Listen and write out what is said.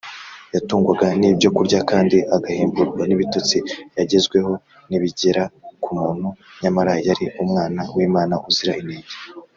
yatungwaga n’ibyo kurya kandi agahemburwa n’ibitotsi yagezweho n’ibigera ku muntu nyamara yari umwana w’imana uzira inenge